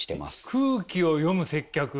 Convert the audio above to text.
空気を読む接客って。